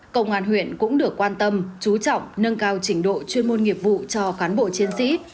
công an huyện cũng được quan tâm chú trọng nâng cao trình độ chuyên môn nghiệp vụ cho cán bộ chiến sĩ